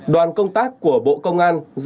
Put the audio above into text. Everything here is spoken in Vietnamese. đoàn công tác của bộ công an nhân dân